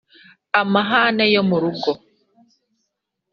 amahane yo mu rugo,